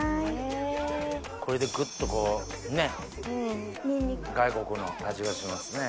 これでぐっとこう外国の味がしますね。